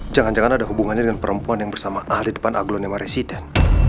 jangan jangan ada hubungannya dengan perempuan yang bersama al di depan aglo nema residen